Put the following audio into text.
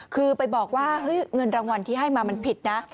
คือไปบอกว่าเงินรางวัลที่ให้มามันผิดนะ